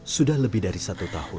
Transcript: sudah lebih dari satu tahun